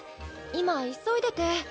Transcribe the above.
今急いでて。